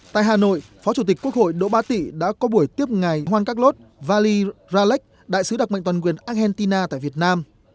tại hà nội phó chủ tịch quốc hội đỗ ba tị đã có buổi tiếp ngày hoan các lốt vali ralech đại sứ đặc mệnh toàn quyền argentina tại việt nam